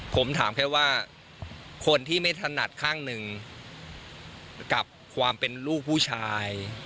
ผมถามแค่ว่าคนที่ไม่ถนัดข้างหนึ่งกับความเป็นลูกผู้ชาย